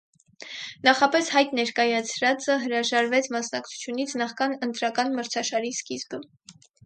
Նախապես հայտ ներկայացրած ը հրաժարվեց մասնակցությունից նախքան ընտրական մրցաշարի սկիզբը։